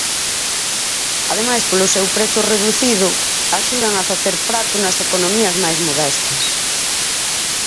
Ademais polo seu prezo reducido axudan a facer prato nas economías máis modestas.